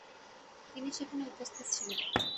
তিনি সেখানে উপস্থিত ছিলেন।